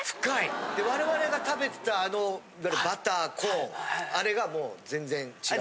で我々が食べてたあのバターコーンあれがもう全然違う。